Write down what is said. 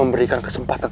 baik ganjeng sunan